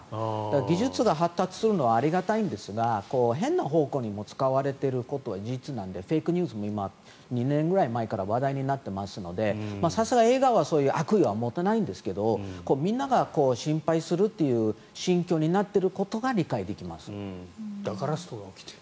技術が発達するのはありがたいんですが変な方向に使われていることも事実なので、フェイクニュースも２年前ぐらいから話題になっていますのでさすがに映画はそういう悪意は持たないんですがみんなが心配するっていう心境になっていることはだからストが起きている。